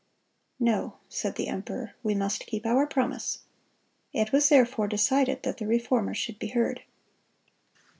"No," said the emperor; "we must keep our promise."(211) It was therefore decided that the Reformer should be heard.